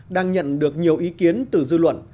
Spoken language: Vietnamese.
đang nhận được nhiều ý kiến từ dư luận